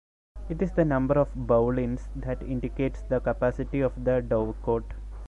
It is the number of "boulins" that indicates the capacity of the dovecote.